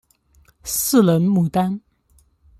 四棱牡丹